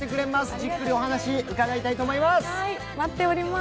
じっくりお話、伺いたいと思います